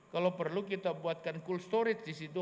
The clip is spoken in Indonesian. kalau perlu kita buatkan cool storage di situ